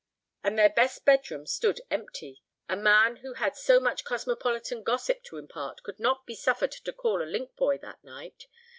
And their best bedroom stood empty! A man who had so much cosmopolitan gossip to impart could not be suffered to call a link boy that night.